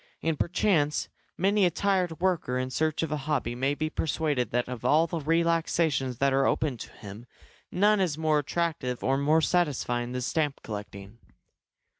And perchance many a tired worker in search of a hobby may be persuaded that of all the relaxations that are open to him none is more attractive or more satisfying than stamp collecting.